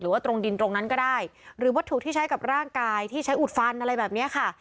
วัตถุที่ใช้กับร่างกายที่ใช้อุดฟันอะไรแบบนี้ค่ะ